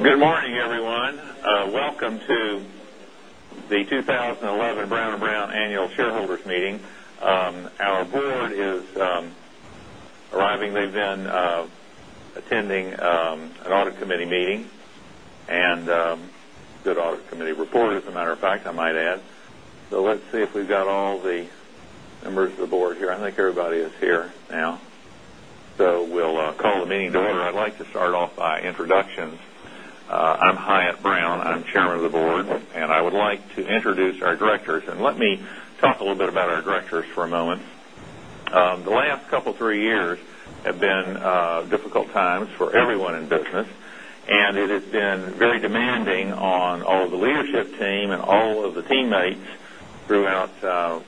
Good morning, everyone. Welcome to the 2011 Brown & Brown Annual Shareholders Meeting. Our board is arriving. They've been attending an audit committee meeting, and a good audit committee report, as a matter of fact, I might add. Let's see if we've got all the members of the board here. I think everybody is here now. We'll call the meeting to order. I'd like to start off by introductions. I'm Hyatt Brown. I'm Chairman of the Board, and I would like to introduce our directors. Let me talk a little bit about our directors for a moment. The last couple three years have been difficult times for everyone in business, and it has been very demanding on all of the leadership team and all of the teammates throughout the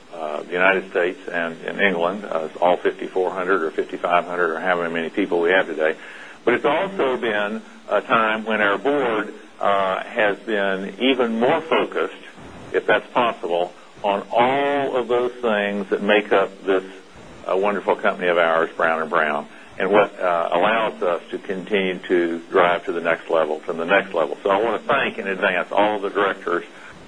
U.S. and in England, all 5,400 or 5,500, or however many people we have today. It's also been a time when our board has been even more focused, if that's possible, on all of those things that make up this wonderful company of ours, Brown & Brown. What allows us to continue to drive to the next level from the next level. I want to thank, in advance, all of the directors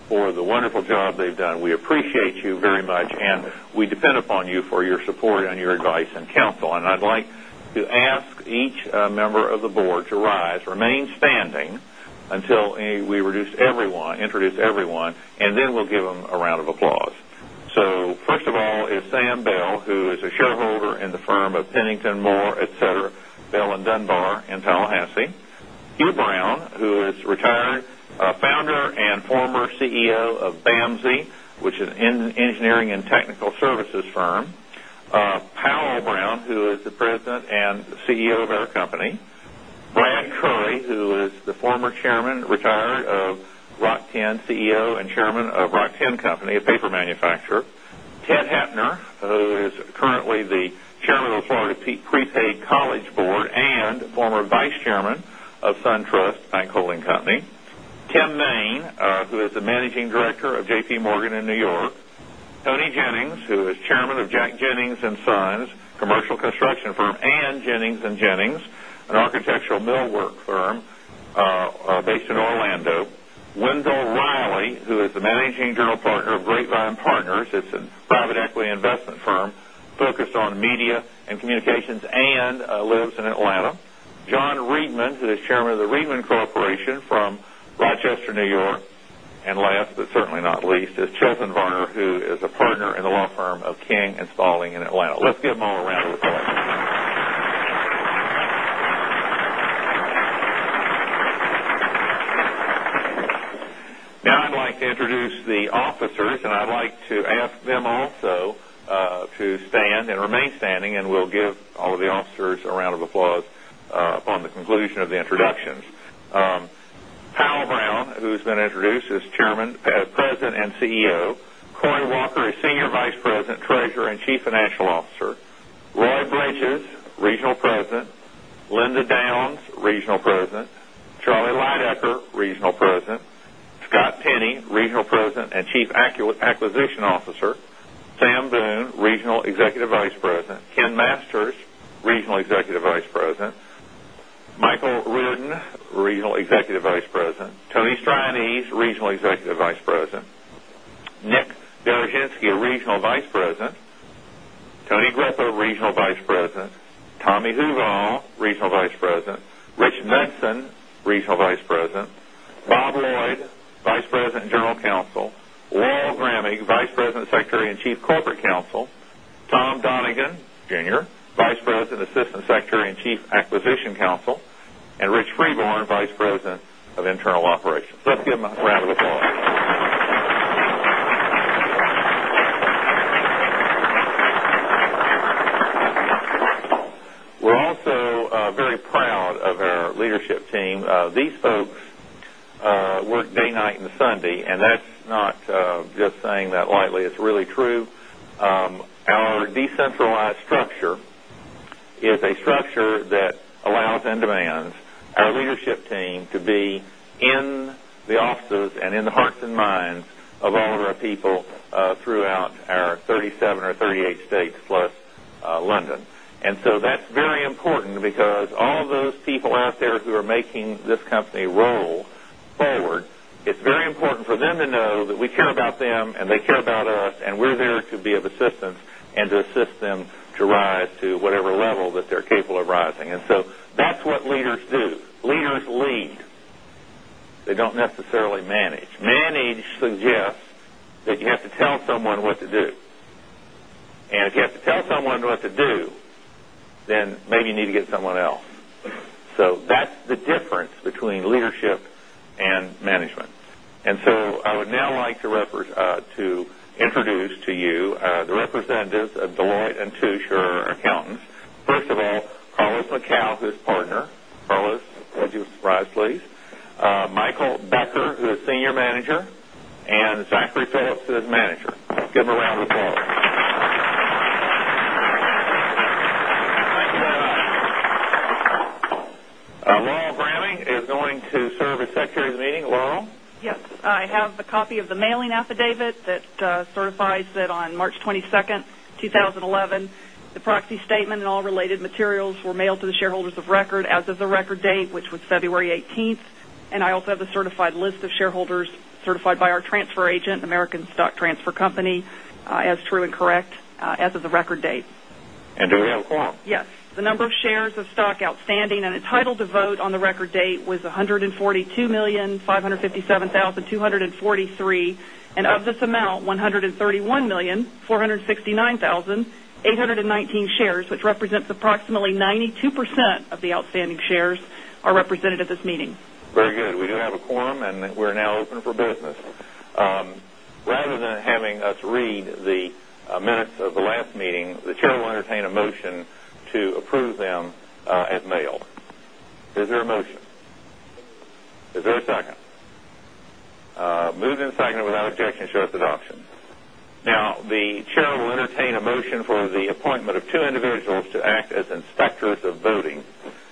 for the wonderful job they've done. We appreciate you very much, and we depend upon you for your support and your advice and counsel. I'd like to ask each member of the board to rise, remain standing until we introduce everyone, and then we'll give them a round of applause. First of all is Sam Bell, who is a shareholder in the firm of Pennington, Moore, Wilkinson, Bell & Dunbar in Tallahassee. Hugh Brown, who is retired Founder and former CEO of BAMSI, which is an engineering and technical services firm. Powell Brown, who is the President and CEO of our company. Brad Currey, who is the former Chairman, retired, of Rock-Tenn, CEO and Chairman of Rock-Tenn Company, a paper manufacturer. Ted Hoepner, who is currently the Chairman of the Florida Prepaid College Board and former Vice Chairman of SunTrust Banks, Inc. Tim Main, who is the Managing Director of J.P. Morgan in New York. Toni Jennings, who is Chairman of Jack Jennings & Sons commercial construction firm, and Jennings and Jennings, an architectural millwork firm based in Orlando. Wendell Reilly, who is the Managing General Partner of Grapevine Partners. It's a private equity investment firm focused on media and communications and lives in Atlanta. John Reedman, who is Chairman of The Reedman Corporation from Rochester, New York. Last, but certainly not least, is Chilton Varner, who is a Partner in the law firm of King & Spalding in Atlanta. Let's give them all a round of applause. Now I'd like to introduce the officers. I'd like to ask them also to stand and remain standing, and we'll give all of the officers a round of applause upon the conclusion of the introductions. Powell Brown, who's been introduced, is President and CEO. Cory Walker is Senior Vice President, Treasurer, and Chief Financial Officer. Roy Bridges, Regional President. Linda Downs, Regional President. Charlie Lydecker, Regional President. Scott Penny, Regional President and Chief Acquisition Officer. Sam Boone, Regional Executive Vice President. Ken Masters, Regional Executive Vice President. Michael Rudin, Regional Executive Vice President. Tony Strianese, Regional Executive Vice President. Nick Daroshefsky, Regional Vice President. Tony Grippa, Regional Vice President. Tommy Huval, Regional Vice President. Rich Benson, Regional Vice President. Bob Lloyd, Vice President and General Counsel. Laurel Grammig, Vice President, Secretary, and Chief Corporate Counsel. Tom Donegan Jr., Vice President, Assistant Secretary, and Chief Acquisition Counsel, and Rich Freeborn, Vice President of Internal Operations. Let's give them a round of applause. We're also very proud of our leadership team. These folks work day, night, and Sunday, that's not just saying that lightly. It's really true. Our decentralized structure is a structure that allows and demands our leadership team to be in the offices and in the hearts and minds of all of our people throughout our 37 or 38 states, plus London. That's very important because all of those people out there who are making this company roll forward, it's very important for them to know that we care about them and they care about us, and we're there to be of assistance and to assist them to rise to whatever level that they're capable of rising. That's what leaders do. Leaders lead. They don't necessarily manage. Manage suggests that you have to tell someone what to do. If you have to tell someone what to do, then maybe you need to get someone else. That's the difference between leadership and management. I would now like to introduce to you, the representatives of Deloitte & Touche, our accountants. First of all, Carlos Macau, who's Partner. Carlos, would you rise, please? Michael Becker, who is Senior Manager, and Zachary Phillips, who is Manager. Give them a round of applause. Thank you. Laurel Grammig is going to serve as Secretary of the Meeting. Laurel? Yes. I have the copy of the mailing affidavit that certifies that on March 22, 2011 the proxy statement and all related materials were mailed to the shareholders of record as of the record date, which was February 18. I also have the certified list of shareholders, certified by our transfer agent, American Stock Transfer Company, as true and correct as of the record date. Do we have a quorum? Yes. The number of shares of stock outstanding and entitled to vote on the record date was 142,557,243. Of this amount, 131,469,819 shares, which represents approximately 92% of the outstanding shares, are represented at this meeting. Very good. We do have a quorum, and we're now open for business. Rather than having us read the minutes of the last meeting, the chair will entertain a motion to approve them as mailed. Is there a motion? Moved. Is there a second? Second. Moved and seconded. Without objection, show its adoption. The chair will entertain a motion for the appointment of two individuals to act as inspectors of voting,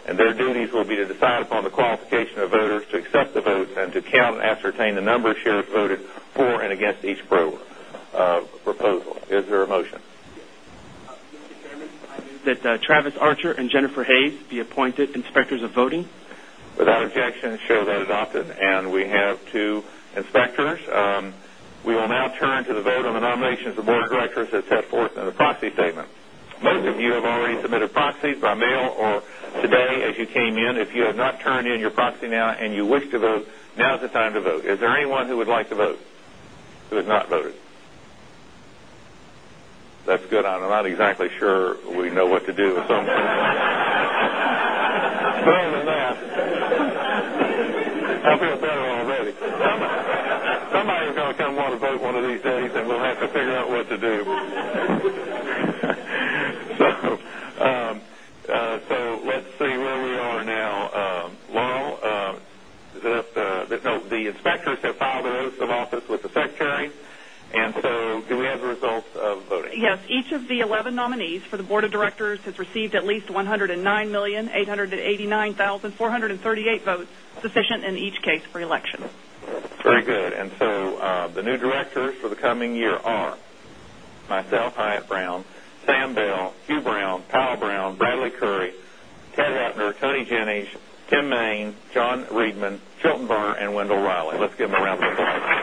and their duties will be to decide upon the qualification of voters, to accept the votes, and to count and ascertain the number of shares voted for and against each proposal. Is there a motion? Yes. Mr. Chairman, that Travis Archer and Jennifer Hayes be appointed inspectors of voting. Without objection, show that adopted. We have two inspectors. We will now turn to the vote on the nominations of Board of Directors as set forth in the proxy statement. Most of you have already submitted proxies by mail or today as you came in. If you have not turned in your proxy now and you wish to vote, now's the time to vote. Is there anyone who would like to vote, who has not voted? That's good. I'm not exactly sure we know what to do if someone. Other than that, I feel better already. Somebody's going to come want to vote one of these days, and we'll have to figure out what to do. Let's see where we are now. Laurel, the inspectors have filed their oaths of office with the secretary. Do we have the results of voting? Yes. Each of the 11 nominees for the board of directors has received at least 109,889,438 votes, sufficient in each case for election. Very good. The new directors for the coming year are myself, Hyatt Brown, Sam Bell, Hugh Brown, Powell Brown, Bradley Currey, Ted Hoepner, Toni Jennings, Tim Main, John Reedman, Chilton Varner, and Wendell Reilly. Let's give them a round of applause.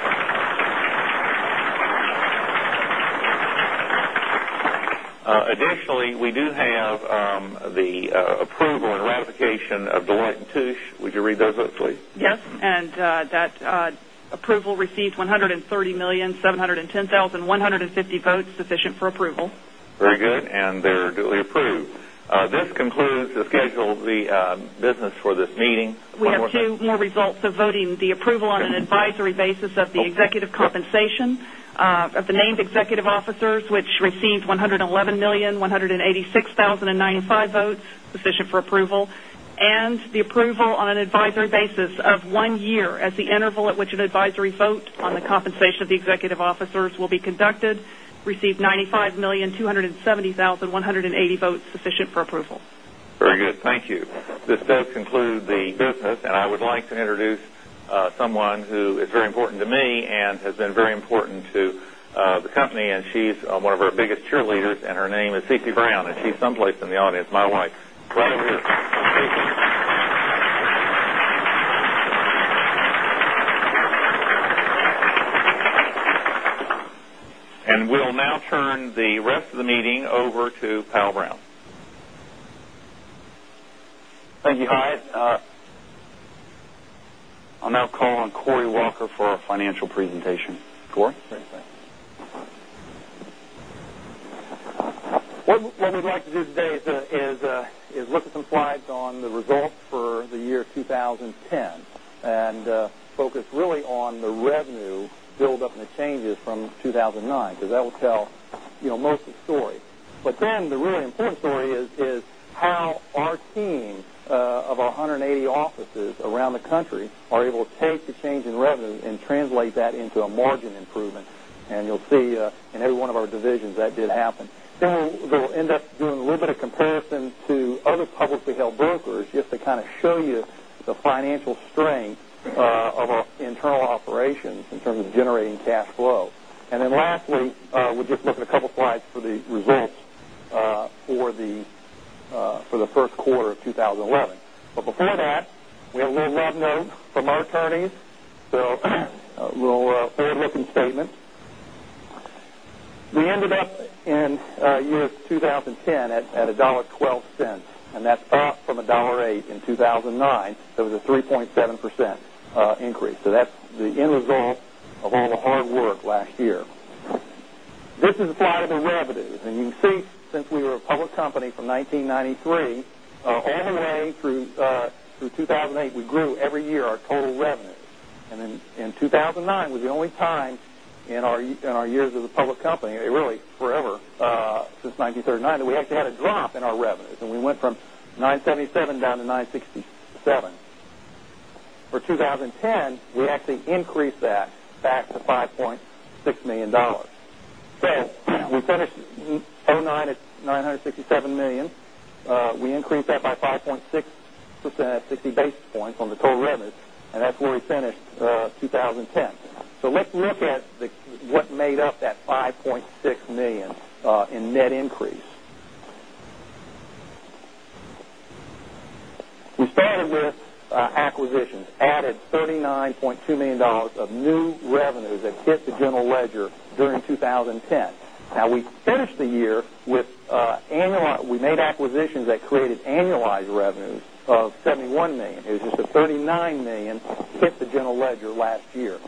Additionally, we do have the approval and ratification of Deloitte & Touche. Would you read those votes, please? Yes. That approval received 130,710,150 votes, sufficient for approval. Very good. They're duly approved. This concludes the business for this meeting. One more thing. We have two more results of voting, the approval on an advisory basis of the executive compensation of the named executive officers, which received 111,186,095 votes, sufficient for approval, and the approval on an advisory basis of one year as the interval at which an advisory vote on the compensation of the executive officers will be conducted, received 95,270,180 votes, sufficient for approval. Very good. Thank you. This does conclude the business. I would like to introduce someone who is very important to me and has been very important to the company. She's one of our biggest cheerleaders, and her name is Cici Brown. She's someplace in the audience, my wife. Right over here. Cici. We'll now turn the rest of the meeting over to Powell Brown. Thank you, Hyatt. I'll now call on Cory Walker for our financial presentation. Cory? What we'd like to do today is look at some slides on the results for the year 2010 and focus really on the revenue buildup and the changes from 2009, because that will tell most of the story. The really important story is how our team of 180 offices around the country are able to take the change in revenue and translate that into a margin improvement. You'll see, in every one of our divisions, that did happen. We'll end up doing a little bit of comparison to other publicly held brokers, just to kind of show you the financial strength of our internal operations in terms of generating cash flow. Lastly, we'll just look at a couple slides for the results for the first quarter of 2011. Before that, we have a little rev note from our attorneys, a little forward-looking statement. We ended up in years 2010 at a $1.12. That's up from a $1.08 in 2009. It was a 3.7% increase. That's the end result of all the hard work last year. This is a slide of the revenue. You can see, since we were a public company from 1993, all the way through 2008, we grew every year our total revenue. In 2009, was the only time in our years as a public company, really forever, since 1939, that we actually had a drop in our revenues. We went from $977 million down to $967 million. For 2010, we actually increased that back to $5.6 million. We finished 2009 at $967 million. We increased that by 5.6 % at 50 basis points on the total revenues, that's where we finished 2010. Let's look at what made up that $5.6 million in net increase. We started with acquisitions, added $39.2 million of new revenues that hit the general ledger during 2010. We finished the year, we made acquisitions that created annualized revenues of $71 million. It was just at $39 million hit the general ledger last year.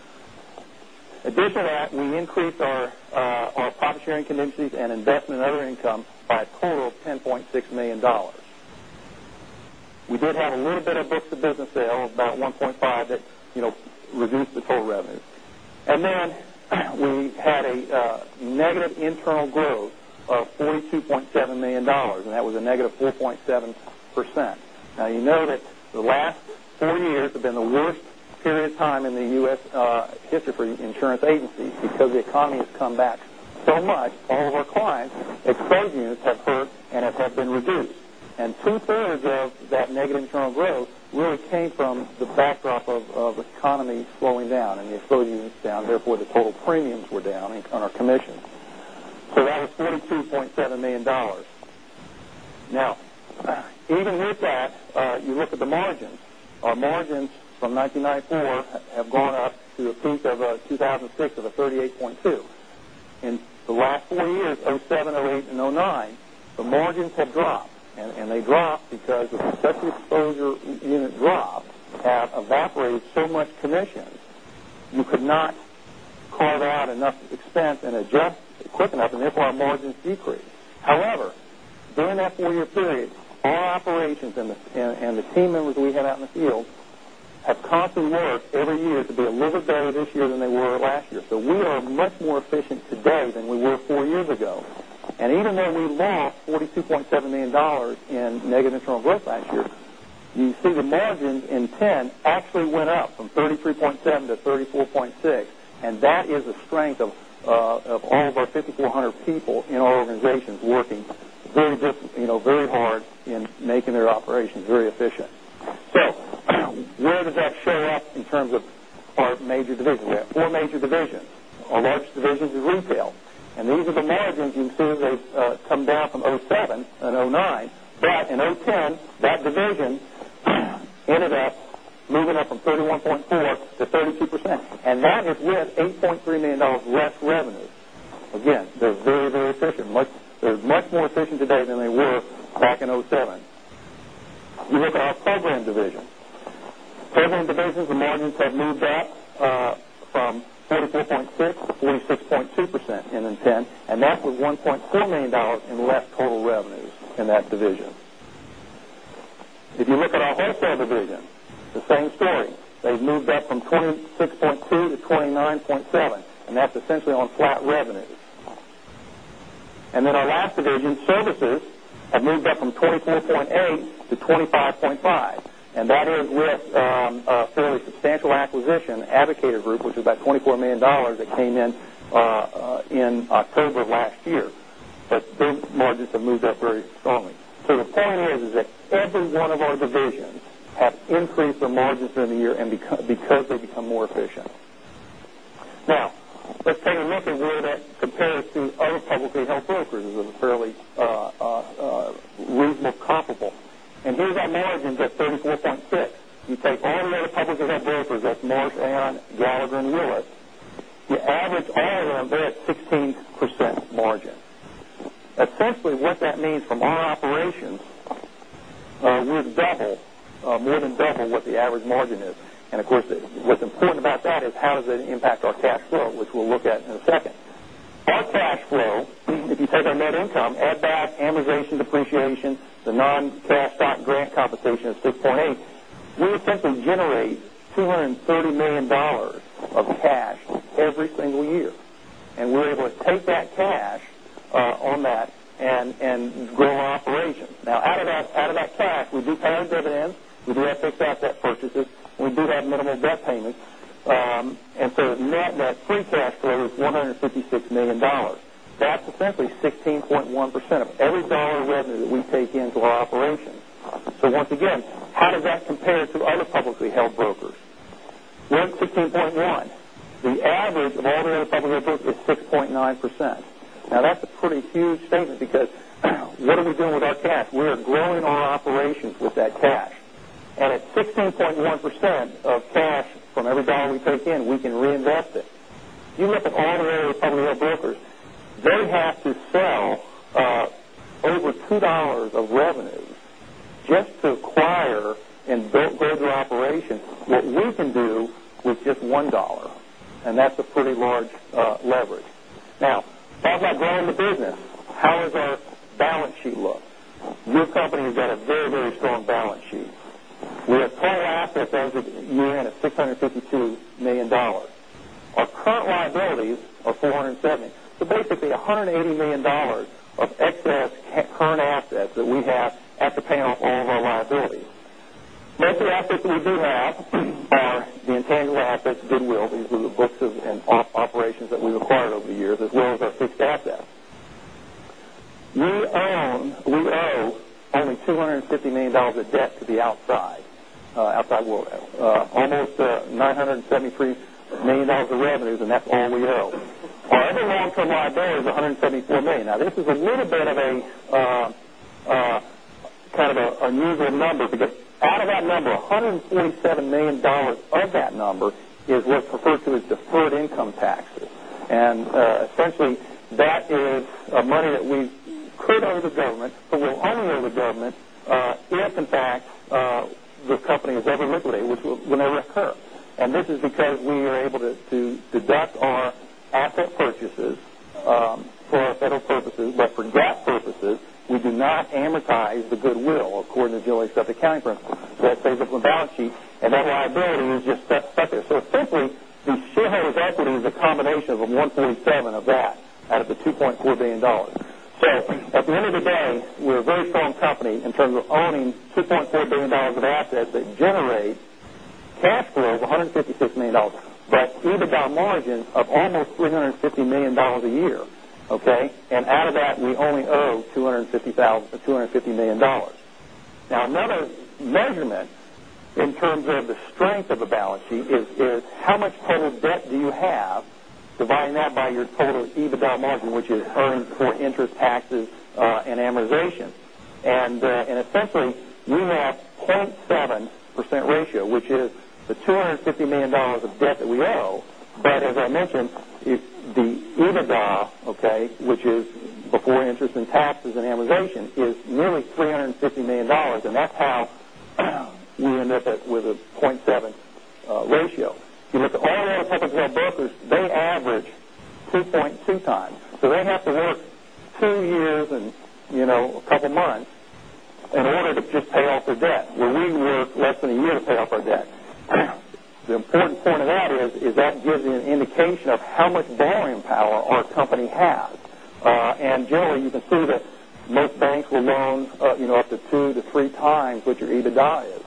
We increased our profit-sharing contingencies and investment in other income by a total of $10.6 million. We did have a little bit of books of business sale, about $1.5 that reduced the total revenue. We had a negative internal growth of $42.7 million, and that was a negative 4.7%. You know that the last four years have been the worst period of time in the U.S. history for insurance agencies, because the economy has come back so much, all of our clients' exposed units have hurt and have been reduced. Two-thirds of that negative internal growth really came from the backdrop of economy slowing down and the exposure units down, therefore, the total premiums were down on our commission. That was $42.7 million. Even with that, you look at the margins. Our margins from 1994 have gone up to a peak of 2006 of a 38.2%. In the last four years, 2007, 2008, and 2009, the margins have dropped, and they dropped because as the exposure unit dropped, it evaporated so much commission. You could not carve out enough expense and adjust it quick enough, and therefore our margins decreased. However, during that four-year period, our operations and the team members we have out in the field have constantly worked every year to be a little bit better this year than they were last year. We are much more efficient today than we were four years ago. Even though we lost $42.7 million in negative internal growth last year, you see the margin in 2010 actually went up from 33.7% to 34.6%, and that is a strength of all of our 5,400 people in our organizations working very hard in making their operations very efficient. Where does that show up in terms of our major divisions? We have 4 major divisions. Our largest division is retail, and these are the margins. You can see they've come down from 2007 and 2009. In 2010, that division ended up moving up from 31.4% to 32%, and that is with $8.3 million less revenue. Again, they're very efficient. They're much more efficient today than they were back in 2007. You look at our program division. Program divisions, the margins have moved up from 44.6% to 46.2% ending 2010, and that was $1.4 million in less total revenues in that division. If you look at our wholesale division, the same story. They've moved up from 26.2% to 29.7%, and that's essentially on flat revenues. Our last division, services, have moved up from 24.8% to 25.5%. That is with a fairly substantial acquisition, Advocator Group, which is about $24 million that came in October of last year. Those margins have moved up very strongly. The point is that every one of our divisions have increased their margins during the year and because they've become more efficient. Let's take a look at where that compares to other publicly held brokers as a fairly reasonable comparable. Here's our margins at 34.6%. You take all the other publicly held brokers, that's Marsh & McLennan, Gallagher, and Willis. You average all of them, they're at 16% margin. Essentially, what that means from our operations, we've more than double what the average margin is. Of course, what's important about that is how does it impact our cash flow, which we'll look at in a second. Our cash flow, if you take our net income, add back amortization, depreciation, the non-cash stock grant compensation is 6.8%. We essentially generate $230 million of cash every single year, we're able to take that cash on that and grow our operations. Out of that cash, we do pay our dividends, we do have fixed asset purchases, we do have minimal debt payments. Net free cash flow is $156 million. That's essentially 16.1% of every dollar of revenue that we take into our operations. Once again, how does that compare to other publicly held brokers? We're at 16.1%. The average of all the other publicly held brokers is 6.9%. That's a pretty huge statement because what are we doing with our cash? We are growing our operations with that cash. At 16.1% of cash from every dollar we take in, we can reinvest it. If you look at all the other publicly held brokers, they have to sell over $2 of revenue just to acquire and build their operations, what we can do with just $1. That's a pretty large leverage. How about growing the business? How does our balance sheet look? This company has got a very strong balance sheet. We have total assets as of year-end of $652 million. Our current liabilities are $470 million. Basically, $180 million of excess current assets that we have after paying off all of our liabilities. Most of the assets that we do have are the intangible assets, goodwill. These are the books of and operations that we've acquired over the years, as well as our fixed assets. We owe only $250 million of debt to the outside world. Almost $973 million of revenues. That's all we owe. Our only long-term liability is $174 million. This is a little bit of an unusual number, because out of that number, $147 million of that number is what's referred to as deferred income taxes. Essentially, that is money that we could owe the government, or will only owe the government, if in fact, the company is ever liquidated, which will never occur. This is because we are able to deduct our asset purchases for our federal purposes, but for GAAP purposes, we do not amortize the goodwill according to generally accepted accounting principles. It stays up on the balance sheet, and that liability is just stuck there. Essentially, the shareholders' equity is a combination of the $147 million of that out of the $2.4 billion. At the end of the day, we're a very strong company in terms of owning $2.4 billion of assets that generate cash flows of $156 million, but EBITDA margins of almost $350 million a year. Okay. Out of that, we only owe $250 million. Another measurement in terms of the strength of a balance sheet is how much total debt do you have, dividing that by your total EBITDA margin, which is earnings before interest, taxes, and amortization. Essentially, we have 0.7% ratio, which is the $250 million of debt that we owe. As I mentioned, the EBITDA, okay, which is before interest and taxes and amortization, is nearly $350 million, and that's how we end up with a 0.7 ratio. You look at all the other public health brokers, they average 2.2 times. They have to work two years and a couple of months in order to just pay off their debt, where we work less than a year to pay off our debt. The important point of that is that gives you an indication of how much borrowing power our company has. Generally, you can see that most banks will loan up to 2-3 times what your EBITDA is.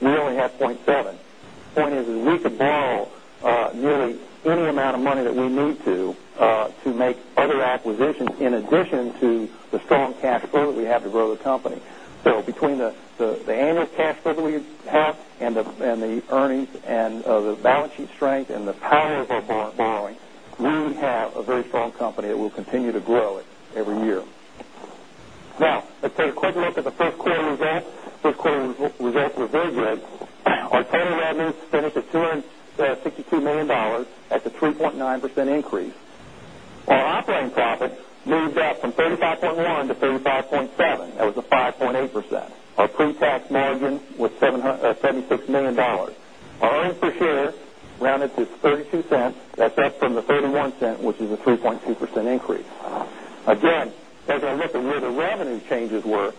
We only have 0.7. The point is, we could borrow nearly any amount of money that we need to make other acquisitions, in addition to the strong cash flow that we have to grow the company. Between the annual cash flow that we have and the earnings and the balance sheet strength and the power of our borrowing, we have a very strong company that will continue to grow every year. Let's take a quick look at the first quarter results. First quarter results were very good. Our total revenues finished at $262 million at the 3.9% increase. Our operating profits moved up from 35.1%-35.7%. That was a 5.8%. Our pre-tax margin was $76 million. Our earnings per share rounded to $0.32. That's up from the $0.31, which is a 3.2% increase. As I look at where the revenue changes were,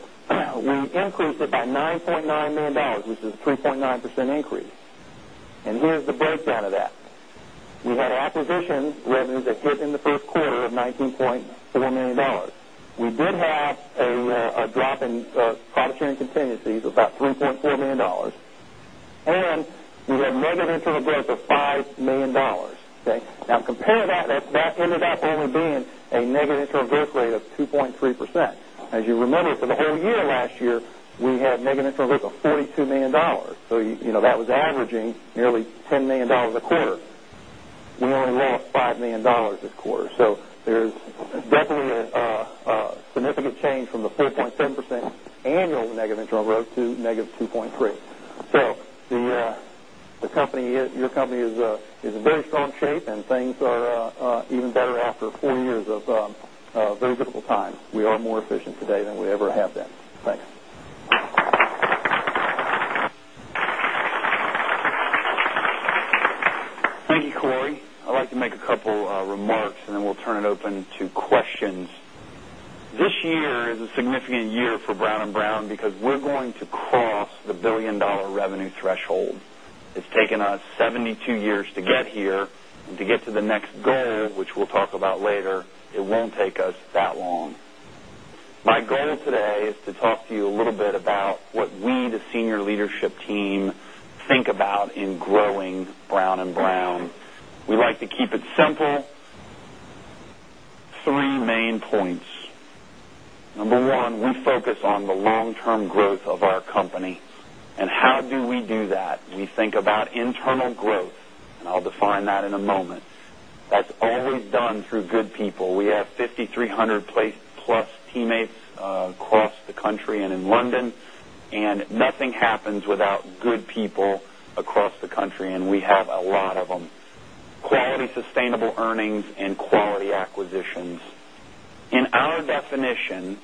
we increased it by $9.9 million, which is a 3.9% increase. Here's the breakdown of that. We had acquisition revenues that hit in the first quarter of $19.4 million. We did have a drop in profit-sharing contingencies of about $3.4 million, and we had negative internal growth of $5 million. Okay. Compare that ended up only being a negative internal growth rate of 2.3%. As you remember, for the whole year last year, we had negative internal growth of $42 million. That was averaging nearly $10 million a quarter. We only lost $5 million this quarter. There's definitely a significant change from the 4.7% annual negative internal growth to negative 2.3%. Your company is in very strong shape, and things are even better after four years of very difficult times. We are more efficient today than we ever have been. Thanks. Thank you, Cory. I'd like to make a couple remarks, and then we'll turn it open to questions. This year is a significant year for Brown & Brown because we're going to cross the billion-dollar revenue threshold. It's taken us 72 years to get here, and to get to the next goal, which we'll talk about later, it won't take us that long. My goal today is to talk to you a little bit about what we, the senior leadership team, think about in growing Brown & Brown. We like to keep it simple. Three main points. Number one, we focus on the long-term growth of our company. How do we do that? We think about internal growth, and I'll define that in a moment. That's always done through good people. We have 5,300+ teammates across the country and in London. Nothing happens without good people across the country, and we have a lot of them. Quality, sustainable earnings, quality acquisitions. In our definition,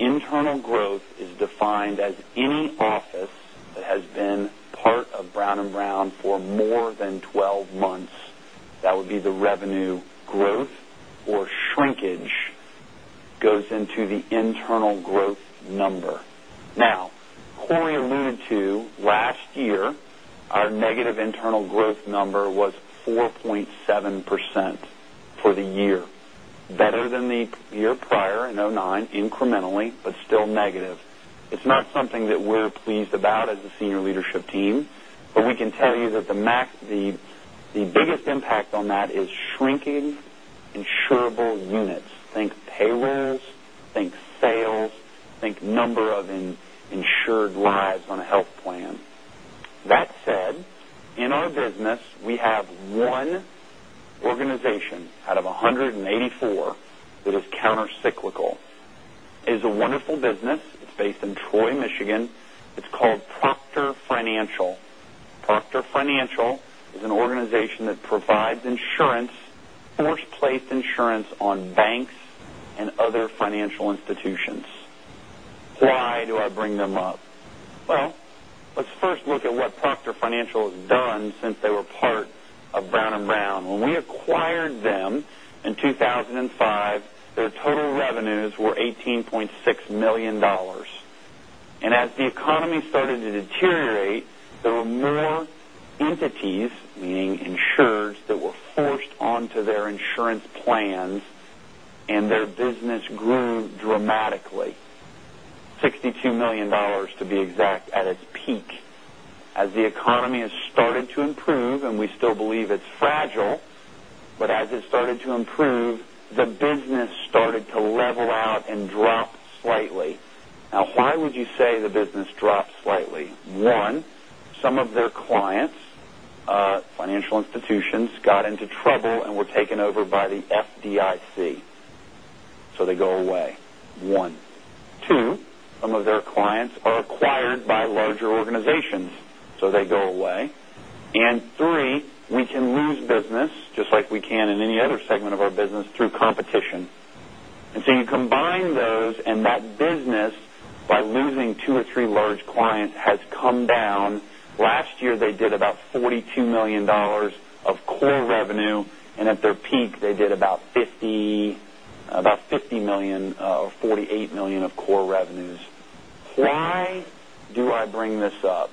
internal growth is defined as any office that has been part of Brown & Brown for more than 12 months. That would be the revenue growth or shrinkage goes into the internal growth number. Cory alluded to last year, our negative internal growth number was 4.7% for the year. Better than the year prior in 2009 incrementally, but still negative. It's not something that we're pleased about as a senior leadership team, but we can tell you that the biggest impact on that is shrinking insurable units. Think payrolls, think sales, think number of insured lives on a health plan. That said, in our business, we have one organization out of 184 that is counter-cyclical. It is a wonderful business. It's based in Troy, Michigan. It's called Proctor Financial. Proctor Financial is an organization that provides insurance, force-placed insurance on banks and other financial institutions. Why do I bring them up? Let's first look at what Proctor Financial has done since they were part of Brown & Brown. When we acquired them in 2005, their total revenues were $18.6 million. As the economy started to deteriorate, there were more entities, meaning insurers, that were forced onto their insurance plans, and their business grew dramatically. $62 million, to be exact, at its peak. As the economy has started to improve, and we still believe it's fragile, but as it started to improve, the business started to level out and drop slightly. Why would you say the business dropped slightly? One, some of their clients, financial institutions, got into trouble and were taken over by the FDIC. They go away. One. Two, some of their clients are acquired by larger organizations, so they go away. Three, we can lose business, just like we can in any other segment of our business, through competition. You combine those, and that business, by losing two or three large clients, has come down. Last year, they did about $42 million of core revenue, and at their peak, they did about $50 million or $48 million of core revenues. Why do I bring this up?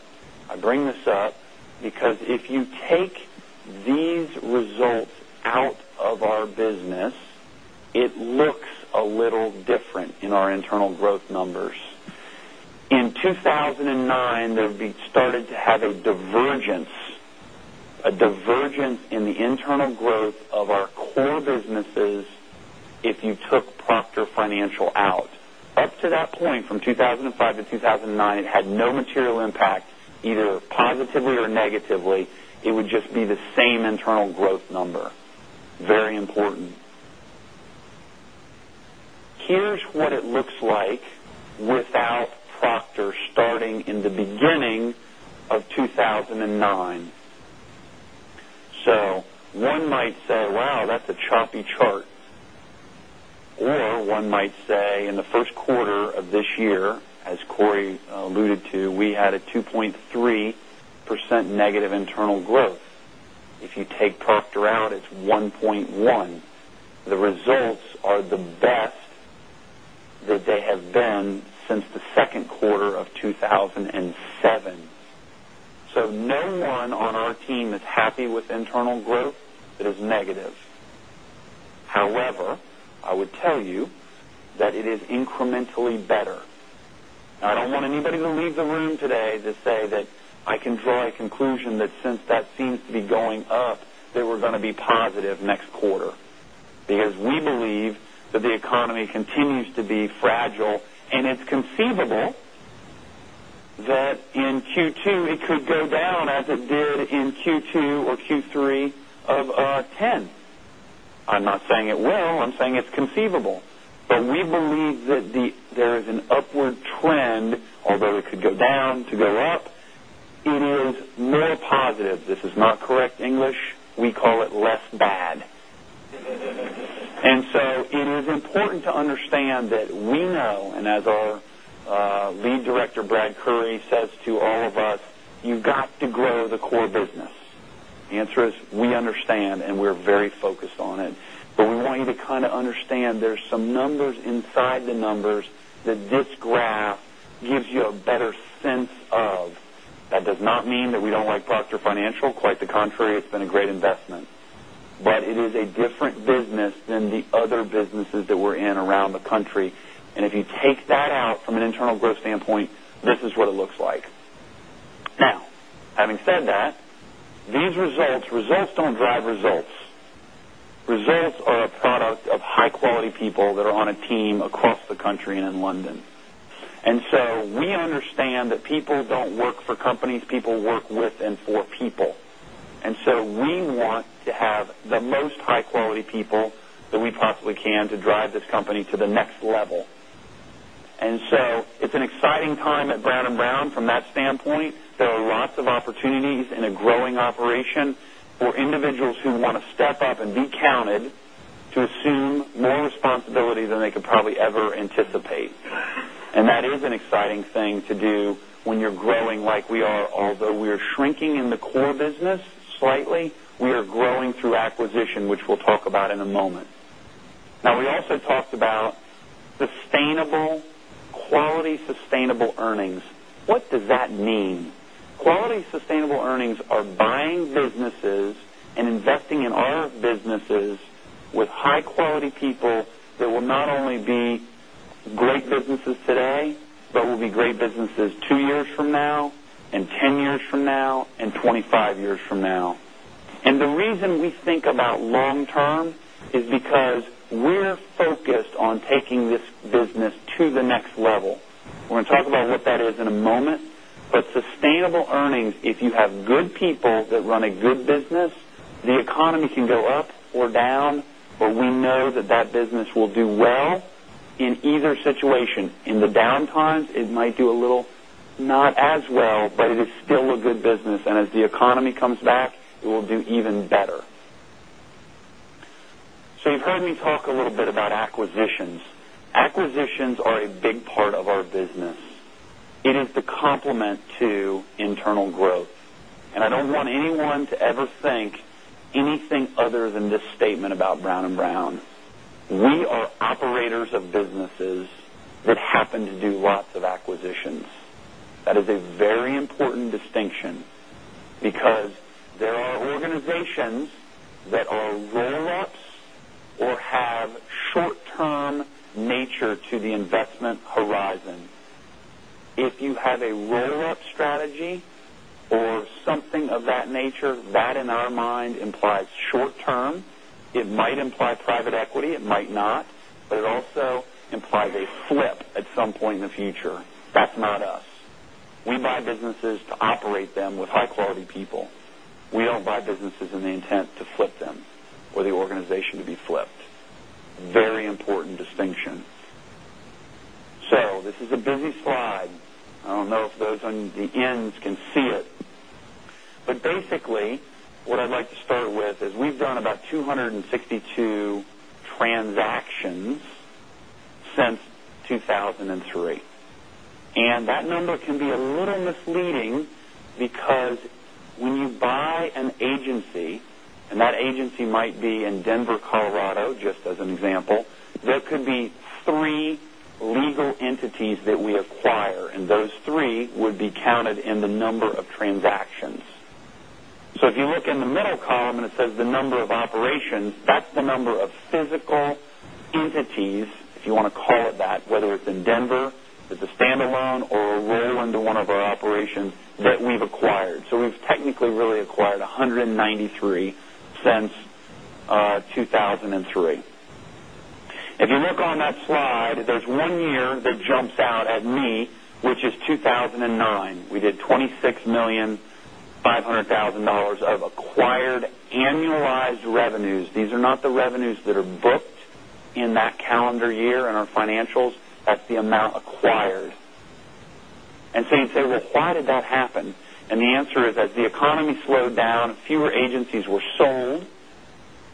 I bring this up because if you take these results out of our business, it looks a little different in our internal growth numbers. In 2009, there started to have a divergence, a divergence in the internal growth of our core businesses if you took Proctor Financial out. Up to that point, from 2005 to 2009, it had no material impact, either positively or negatively. It would just be the same internal growth number. Very important. Here's what it looks like without Proctor, starting in the beginning of 2009. One might say, "Wow, that's a choppy chart." Or one might say, in the first quarter of this year, as Cory alluded to, we had a 2.3% negative internal growth. If you take Proctor out, it's 1.1%. The results are the best that they have been since the second quarter of 2007. No one on our team is happy with internal growth that is negative. However, I would tell you that it is incrementally better. I don't want anybody to leave the room today to say that I can draw a conclusion that since that seems to be going up, that we're going to be positive next quarter. We believe that the economy continues to be fragile, and it's conceivable that in Q2 it could go down as it did in Q2 or Q3 of 2010. I'm not saying it will. I'm saying it's conceivable. We believe that there is an upward trend, although it could go down to go up. It is more positive. This is not correct English. We call it less bad. It is important to understand that we know, and as our lead director, Brad Currey, says to all of us, "You've got to grow the core business." The answer is, we understand, and we're very focused on it. We want you to kind of understand there's some numbers inside the numbers that this graph gives you a better sense of. That does not mean that we don't like Proctor Financial. Quite the contrary. It's been a great investment. It is a different business than the other businesses that we're in around the country. If you take that out from an internal growth standpoint, this is what it looks like. Having said that, these results don't drive results. Results are a product of high-quality people that are on a team across the country and in London. We understand that people don't work for companies. People work with and for people. We want to have the most high-quality people that we possibly can to drive this company to the next level. It's an exciting time at Brown & Brown from that standpoint. There are lots of opportunities in a growing operation for individuals who want to step up and be counted to assume more responsibility than they could probably ever anticipate. That is an exciting thing to do when you're growing like we are. Although we are shrinking in the core business slightly, we are growing through acquisition, which we'll talk about in a moment. We also talked about sustainable, quality sustainable earnings. What does that mean? Quality sustainable earnings are buying businesses and investing in our businesses with high-quality people that will not only be great businesses today that will be great businesses two years from now and 10 years from now and 25 years from now. The reason we think about long term is because we're focused on taking this business to the next level. We're going to talk about what that is in a moment. Sustainable earnings, if you have good people that run a good business, the economy can go up or down, but we know that that business will do well in either situation. In the down times, it might do a little not as well, but it is still a good business, and as the economy comes back, it will do even better. You've heard me talk a little bit about acquisitions. Acquisitions are a big part of our business. It is the complement to internal growth. I don't want anyone to ever think anything other than this statement about Brown & Brown. We are operators of businesses that happen to do lots of acquisitions. That is a very important distinction, because there are organizations that are roll-ups or have short-term nature to the investment horizon. If you have a roll-up strategy or something of that nature, that, in our mind, implies short term. It might imply private equity, it might not, but it also implies a flip at some point in the future. That's not us. We buy businesses to operate them with high-quality people. We don't buy businesses in the intent to flip them or the organization to be flipped. Very important distinction. This is a busy slide. I don't know if those on the ends can see it. Basically, what I'd like to start with is we've done about 262 transactions since 2003. That number can be a little misleading because when you buy an agency, and that agency might be in Denver, Colorado, just as an example, there could be three legal entities that we acquire, and those three would be counted in the number of transactions. If you look in the middle column, and it says the number of operations, that's the number of physical entities, if you want to call it that, whether it's in Denver, it's a standalone or a roll into one of our operations that we've acquired. We've technically really acquired 193 since 2003. If you look on that slide, there's one year that jumps out at me, which is 2009. We did $26,500,000 of acquired annualized revenues. These are not the revenues that are booked in that calendar year in our financials. That's the amount acquired. You'd say, "Well, why did that happen?" The answer is that the economy slowed down, fewer agencies were sold,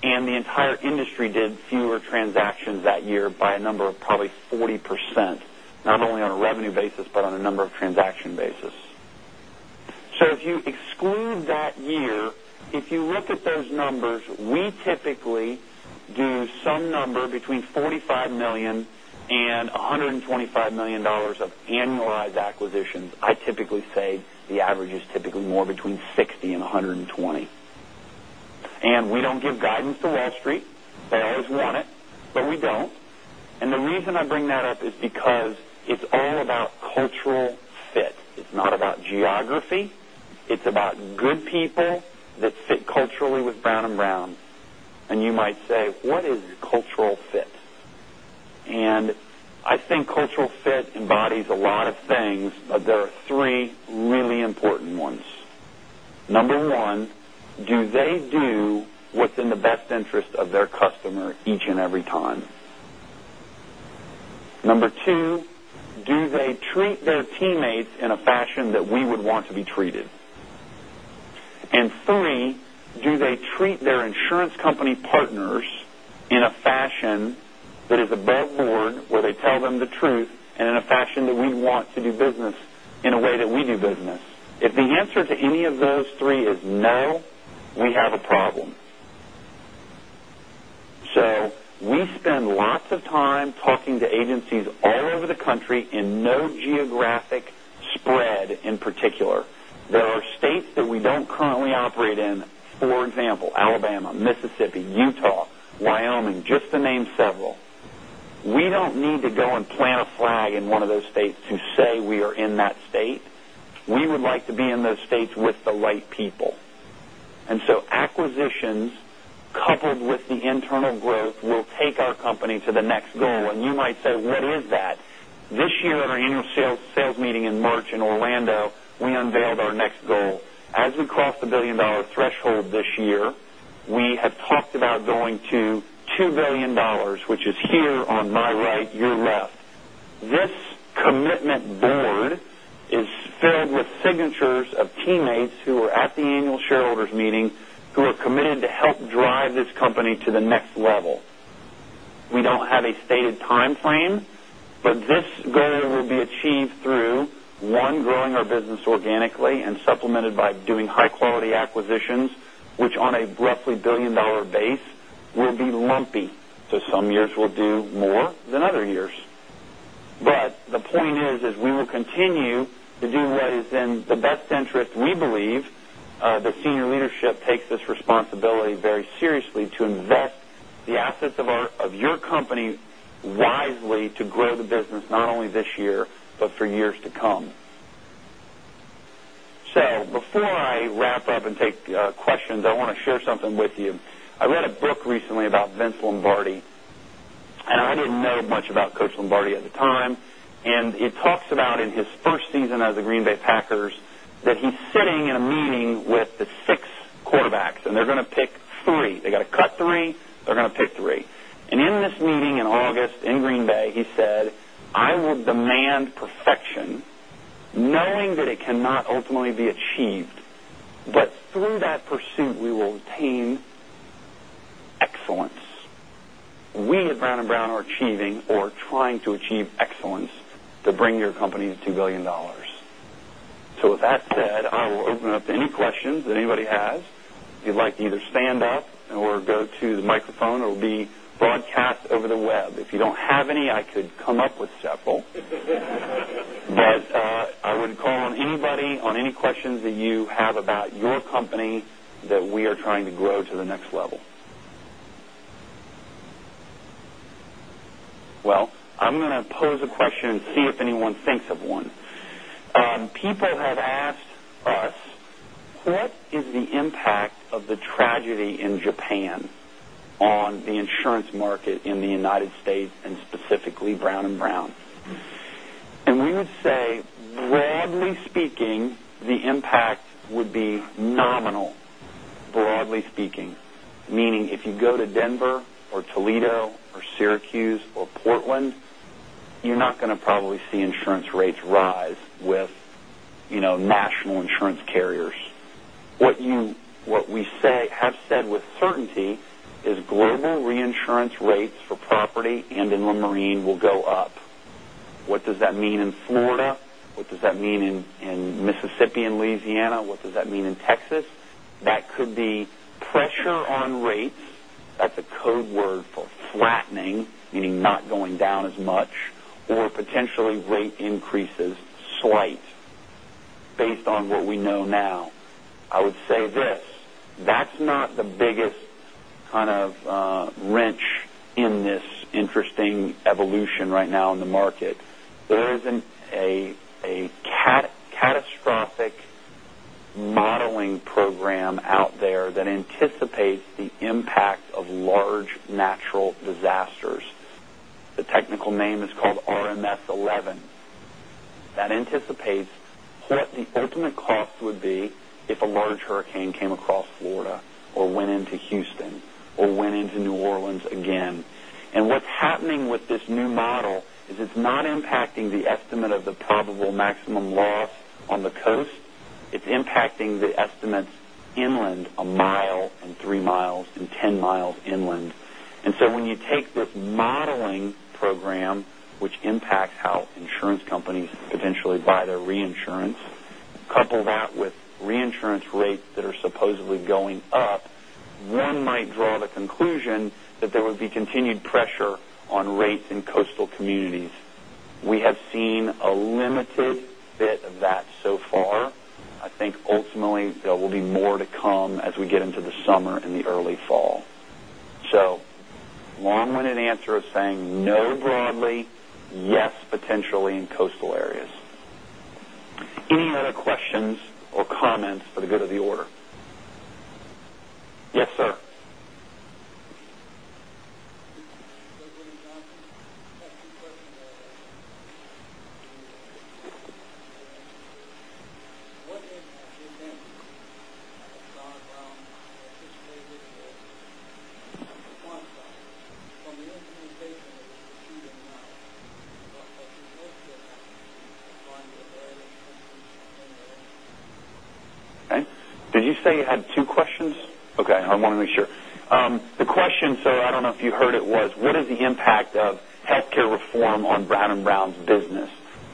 and the entire industry did fewer transactions that year by a number of probably 40%, not only on a revenue basis, but on a number of transaction basis. If you exclude that year, if you look at those numbers, we typically do some number between $45 million-$125 million of annualized acquisitions. I typically say the average is typically more between 60 and 120. We don't give guidance to Wall Street. They always want it, but we don't. The reason I bring that up is because it's all about cultural fit. It's not about geography. It's about good people that fit culturally with Brown & Brown. You might say, what is cultural fit? I think cultural fit embodies a lot of things, but there are three really important ones. Number one, do they do what's in the best interest of their customer each and every time? Number two, do they treat their teammates in a fashion that we would want to be treated? Three, do they treat their insurance company partners in a fashion that is above board, where they tell them the truth, and in a fashion that we want to do business in a way that we do business? If the answer to any of those three is no, we have a problem. We spend lots of time talking to agencies all over the country in no geographic spread in particular. There are states that we don't currently operate in, for example, Alabama, Mississippi, Utah, Wyoming, just to name several. We don't need to go and plant a flag in one of those states to say we are in that state. We would like to be in those states with the right people. Acquisitions, coupled with the internal growth, will take our company to the next goal. You might say, what is that? This year at our annual sales meeting in March in Orlando, we unveiled our next goal. As we crossed the billion-dollar threshold this year, we have talked about going to $2 billion, which is here on my right, your left. This commitment board is filled with signatures of teammates who are at the annual shareholders meeting who are committed to help drive this company to the next level. We don't have a stated timeframe, but this goal will be achieved through, one, growing our business organically and supplemented by doing high-quality acquisitions, which on a roughly billion-dollar base, will be lumpy. Some years we'll do more than other years. The point is we will continue to do what is in the best interest, we believe. The senior leadership takes this responsibility very seriously to invest the assets of your company wisely to grow the business not only this year, but for years to come. Before I wrap up and take questions, I want to share something with you. I read a book recently about Vince Lombardi, and I didn't know much about Coach Lombardi at the time. It talks about in his first season as the Green Bay Packers, that he's sitting in a meeting with the six quarterbacks, and they're going to pick three. They got to cut three. They're going to pick three. In this meeting in August in Green Bay, he said, "I will demand perfection, knowing that it cannot ultimately be achieved. Through that pursuit, we will attain excellence." We at Brown & Brown are achieving, or trying to achieve excellence to bring your company to $2 billion. With that said, I will open up to any questions that anybody has. If you'd like to either stand up or go to the microphone, it will be broadcast over the web. If you don't have any, I could come up with several. I would call on anybody on any questions that you have about your company that we are trying to grow to the next level. Well, I'm going to pose a question and see if anyone thinks of one. People have asked us, what is the impact of the tragedy in Japan on the insurance market in the U.S., and specifically Brown & Brown? We would say, broadly speaking, the impact would be nominal. Broadly speaking. Meaning, if you go to Denver or Toledo or Syracuse or Portland, you're not going to probably see insurance rates rise with national insurance carriers. What we have said with certainty is global reinsurance rates for property and in marine will go up. What does that mean in Florida? What does that mean in Mississippi and Louisiana? What does that mean in Texas? That could be pressure on rates. That's a code word for flattening, meaning not going down as much, or potentially rate increases, slight, based on what we know now. I would say this, that's not the biggest kind of wrench in this interesting evolution right now in the market. There isn't a catastrophic modeling program out there that anticipates the impact of large natural disasters. The technical name is called RMS 11. That anticipates what the ultimate cost would be if a large hurricane came across Florida or went into Houston or went into New Orleans again. What's happening with this new model is it's not impacting the estimate of the probable maximum loss on the coast. It's impacting the estimates inland a mile and 3 miles and 10 miles inland. When you take this modeling program, which impacts how insurance companies potentially buy their reinsurance, couple that with reinsurance rates that are supposedly going up, one might draw the conclusion that there would be continued pressure on rates in coastal communities. We have seen a limited bit of that so far. I think ultimately there will be more to come as we get into the summer and the early fall. Long-winded answer is saying no broadly, yes, potentially in coastal areas. Any other questions or comments for the good of the order? Yes, sir. William Johnson. I have two questions. What is the impact of Brown & Brown and quantify from the implementation of this procedure now combined with other insurance generators? Okay. Did you say you had two questions? Yes. Okay. I want to make sure. The question, I don't know if you heard it was, what is the impact of healthcare reform on Brown & Brown's business?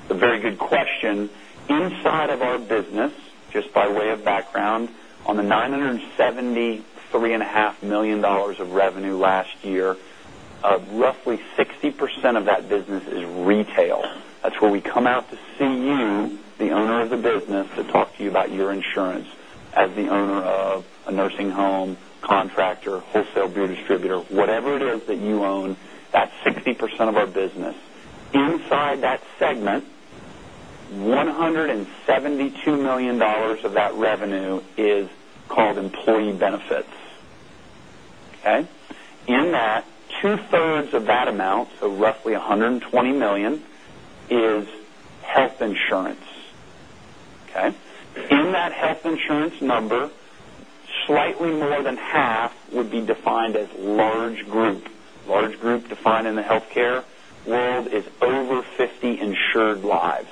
A very good question. Inside of our business, just by way of background, on the $973.5 million of revenue last year, roughly 60% of that business is retail. That's where we come out to see you, the owner of the business, to talk to you about your insurance as the owner of a nursing home, contractor, wholesale beer distributor, whatever it is that you own. That's 60% of our business. Inside that segment, $172 million of that revenue is called employee benefits. Okay? In that, two-thirds of that amount, roughly $120 million, is health insurance. Okay? In that health insurance number, slightly more than half would be defined as large group. Large group defined in the healthcare world is over 50 insured lives.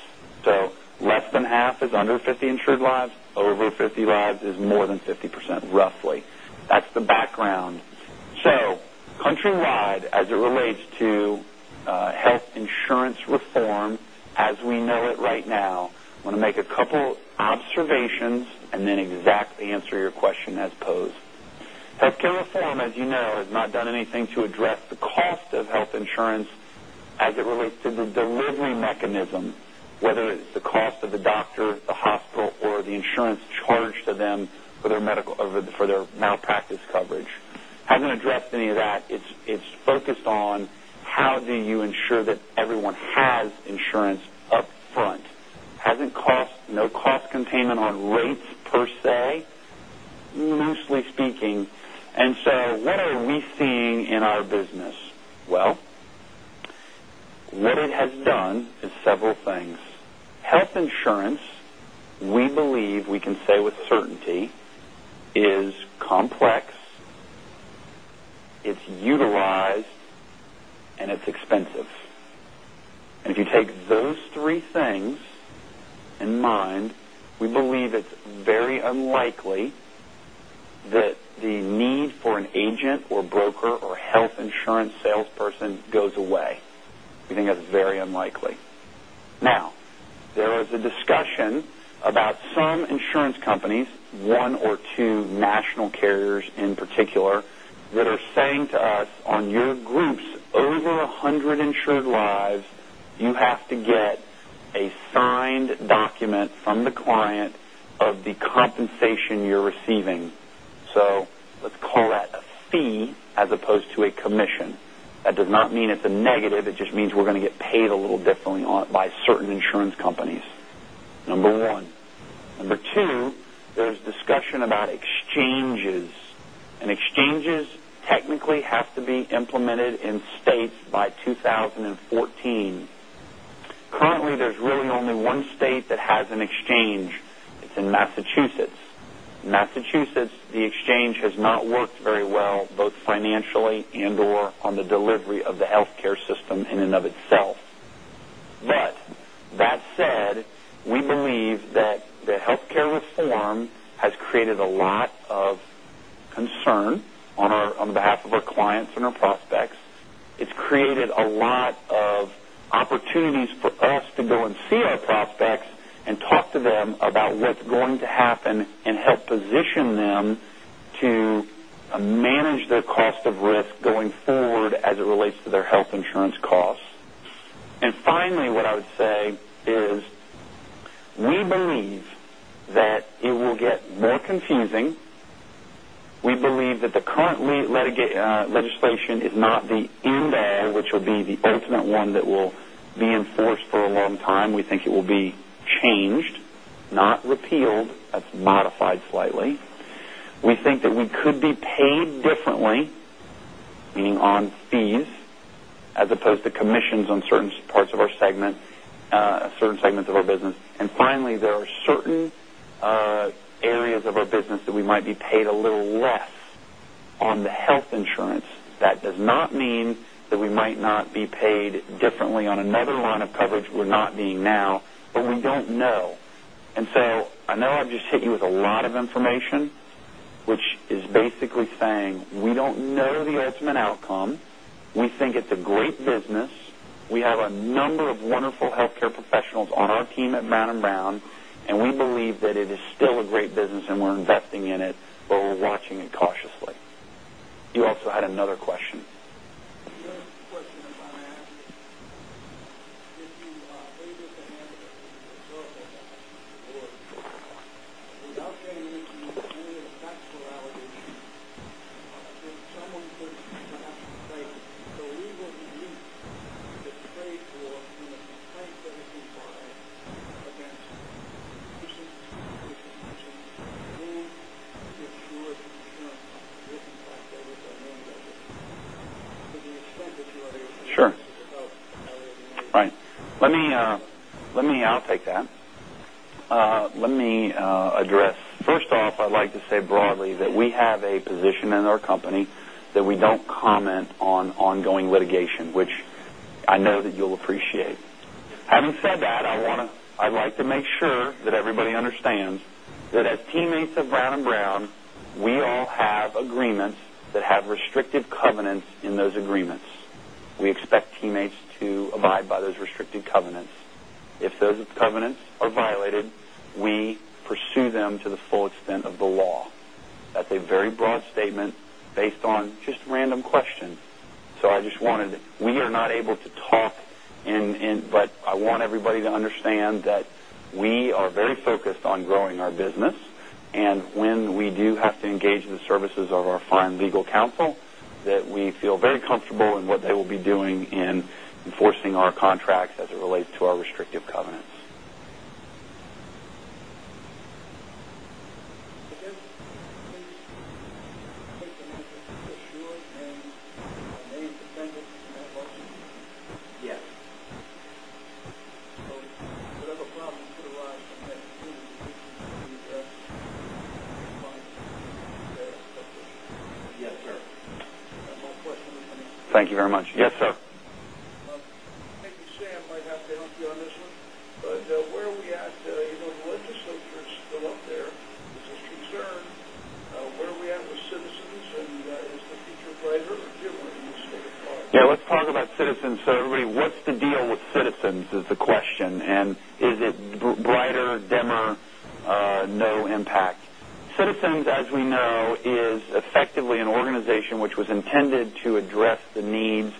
Less than half is under 50 insured lives. Over 50 lives is more than 50%, roughly. That's the background. Countrywide, as it relates to health insurance reform as we know it right now, I want to make a couple observations and then exactly answer your question as posed. Healthcare reform, as you know, has not done anything to address the cost of health insurance as it relates to the delivery mechanism, whether it's the cost of the doctor, the hospital, or the insurance charge to them for their malpractice coverage. Hasn't addressed any of that. It's focused on how do you ensure that everyone has insurance up front. Has no cost containment on rates per se, loosely speaking. What are we seeing in our business? Well, what it has done is several things. Health insurance, we believe we can say with certainty, is complex, it's utilized, and it's expensive. If you take those three things in mind, we believe it's very unlikely that the need for an agent or broker or health insurance salesperson goes away. We think that's very unlikely. Now, there is a discussion about some insurance companies, one or two national carriers in particular, that are saying to us, on your groups over 100 insured lives, you have to get a signed document from the client of the compensation you're receiving. Let's call that a fee as opposed to a commission. That does not mean it's a negative. It just means we're going to get paid a little differently by certain insurance companies. Number one. Number two, there's discussion about exchanges. Exchanges technically have to be implemented in states by 2014. Currently, there's really only one state that has an exchange. It's in Massachusetts. In Massachusetts, the exchange has not worked very well, both financially and/or on the delivery of the healthcare system in and of itself. That said, we believe that the healthcare reform has created a lot of concern on behalf of our clients and our prospects. It's created a lot of opportunities for us to go and see our prospects and talk to them about what's going to happen and help position them to manage their cost of risk going forward as it relates to their health insurance costs. Finally, what I would say is we believe that it will get more confusing. We believe that the current legislation is not the end there, which will be the ultimate one that will be enforced for a long time. We think it will be changed, not repealed. That's modified slightly. We think that we could be paid differently, meaning on fees as opposed to commissions on certain segments of our business. Finally, there are certain areas of our business that we might be paid a little less on the health insurance. That does not mean that we might not be paid differently on another line of coverage we're not being now, but we don't know. So I know I've just hit you with a lot of information, which is basically saying we don't know the ultimate outcome. We think it's a great business. We have a number of wonderful healthcare professionals on our team at Brown & Brown, and we believe that it is still a great business and we're investing in it, but we're watching it cautiously. You also had another question. The other question I was going to ask is, if you wave us ahead of it, absorb it, I should say the word, without saying this means any of the factual allegations, if someone were to come up and say, "So we will be the state or in the state that is being filed against." Do you ensure that you're not going to get impacted with their main business? To the extent that you already said- Sure. Right. I'll take that. Let me address. First off, I'd like to say broadly that we have a position in our company that we don't comment on ongoing litigation, which I know that you'll appreciate. Having said that, I'd like to make sure that everybody understands that as teammates of Brown & Brown, we all have agreements that have restrictive covenants in those agreements. We expect teammates to abide by those restrictive covenants. If those covenants are violated, we pursue them to the full extent of the law. That's a very broad statement based on just a random question. I want everybody to understand that we are very focused on growing our business, and when we do have to engage the services of our fine legal counsel, that we feel very comfortable in what they will be doing in enforcing our contracts as it relates to our restrictive covenants. Please take the message that you're assured and are named defendant in that lawsuit. Yes. Whatever problems could arise from that particular situation will be addressed by Yes, sir. That's my question. Thank you very much. Yes, sir. Maybe Sam might have to help you on this one. Where are we at? The legislators are still up there with this concern. Where are we at with Citizens and- Yeah, let's talk about Citizens. Everybody, what's the deal with Citizens, is the question, and is it brighter, dimmer, no impact? Citizens, as we know, is effectively an organization which was intended to address the needs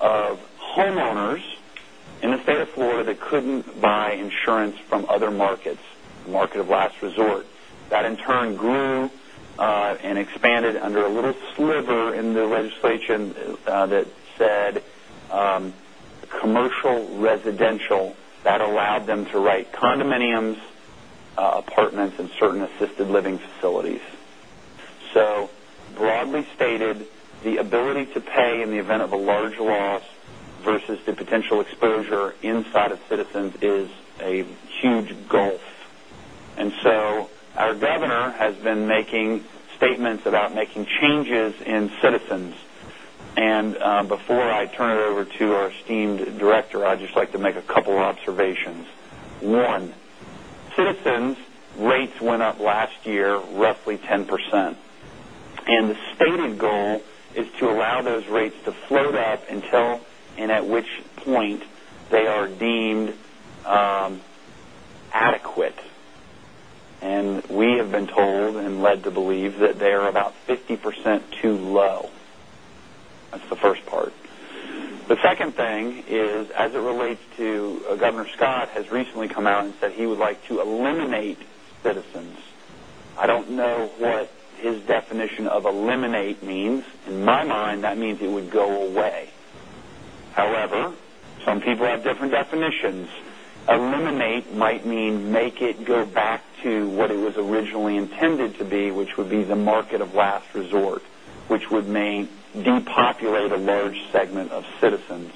of homeowners in the state of Florida that couldn't buy insurance from other markets, the market of last resort. That, in turn, grew and expanded under a little sliver in the legislation that said commercial residential, that allowed them to write condominiums, apartments, and certain assisted living facilities. Broadly stated, the ability to pay in the event of a large loss versus the potential exposure inside of Citizens is a huge gulf. Our Governor has been making statements about making changes in Citizens. Before I turn it over to our esteemed Director, I'd just like to make a couple observations. One, Citizens rates went up last year roughly 10%. The stated goal is to allow those rates to float up until and at which point they are deemed adequate. We have been told and led to believe that they are about 50% too low. That's the first part. The second thing is, as it relates to Governor Scott has recently come out and said he would like to eliminate Citizens. I don't know what his definition of eliminate means. In my mind, that means it would go away. However, some people have different definitions. Eliminate might mean make it go back to what it was originally intended to be, which would be the market of last resort, which would depopulate a large segment of Citizens.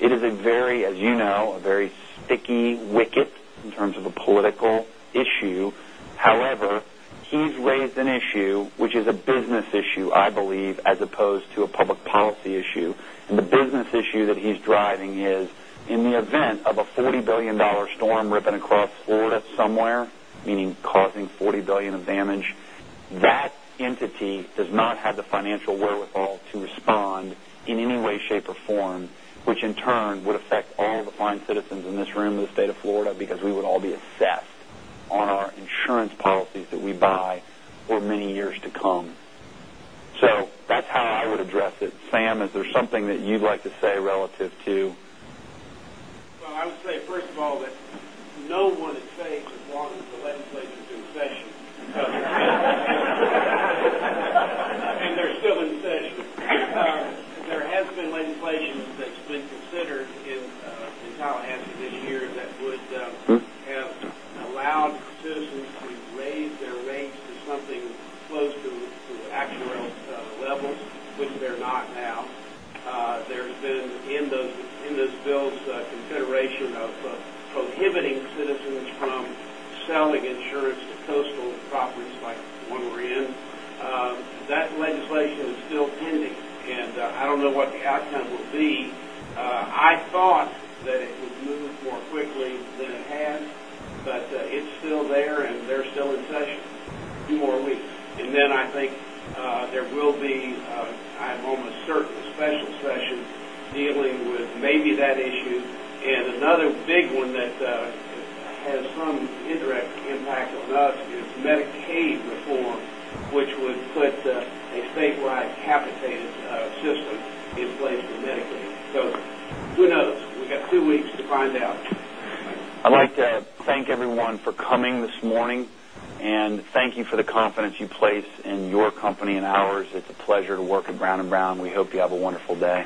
It is, as you know, a very sticky wicket in terms of a political issue. However, he's raised an issue, which is a business issue, I believe, as opposed to a public policy issue. The business issue that he's driving is in the event of a $40 billion storm ripping across Florida somewhere, meaning causing $40 billion of damage, that entity does not have the financial wherewithal to respond in any way, shape, or form, which in turn would affect all the fine citizens in this room in the state of Florida, because we would all be assessed on our insurance policies that we buy for many years to come. That's how I would address it. Sam, is there something that you'd like to say relative to? Well, I would say, first of all, that no one is safe as long as the legislature is in session. They're still in session. There has been legislation that's been considered in Tallahassee this year that would have allowed Citizens to raise their rates to something close to actuarial levels, which they're not now. There's been, in those bills, consideration of prohibiting Citizens from selling insurance to coastal properties like the one we're in. That legislation is still pending, and I don't know what the outcome will be. I thought that it would move more quickly than it has, but it's still there, and they're still in session. Two more weeks, and then I think there will be, I'm almost certain, a special session dealing with maybe that issue. Another big one that has some indirect impact on us is Medicaid reform, which would put a statewide capitated system in place for Medicaid. Who knows? We got two weeks to find out. I'd like to thank everyone for coming this morning. Thank you for the confidence you place in your company and ours. It's a pleasure to work at Brown & Brown. We hope you have a wonderful day.